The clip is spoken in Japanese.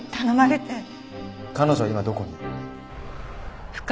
彼女今どこに？